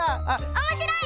おもしろい！